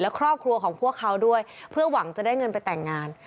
และครอบครัวของพวกเขาด้วยเพื่อหวังจะได้เงินไปแต่งงาน